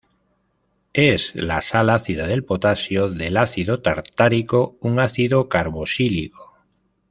Es la sal ácida del potasio del ácido tartárico, un ácido carboxílico.